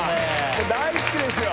もう大好きですよ